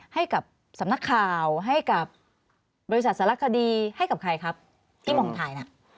ให้กับสำนักข่าวให้กับบริษัทสารคดีให้กับใครครับที่ห่องถ่ายน่ะ